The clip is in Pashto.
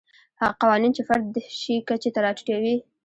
هغه قوانین چې فرد د شي کچې ته راټیټوي.